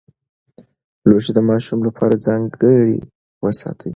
لوښي د ماشوم لپاره ځانګړي وساتئ.